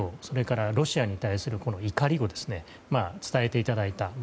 それから、ロシアに対する怒りを伝えていただいた。